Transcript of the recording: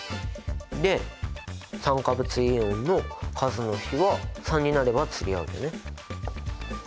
で酸化物イオンの数の比は３になれば釣り合うよね。